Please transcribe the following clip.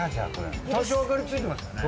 多少明かりついてますよね。